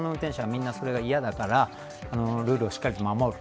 車の運転手は、それが嫌だからルールをしっかりと守る。